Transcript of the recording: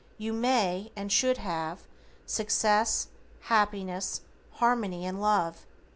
You may, and should have, success, happiness, harmony and love.